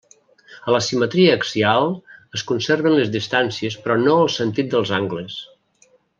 A la simetria axial es conserven les distàncies però no el sentit dels angles.